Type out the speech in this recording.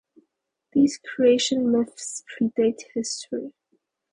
These creation myths predate history.